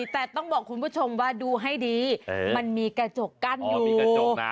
แต่ต้องบอกคุณผู้ชมว่าดูให้ดีมันมีกระจกกั้นอยู่มีกระจก